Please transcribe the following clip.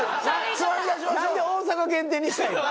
何で大阪限定にしたんや？